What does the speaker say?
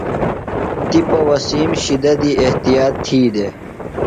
تِپہ وسیم شِدہ دی احتیاط تھی دےۡ۔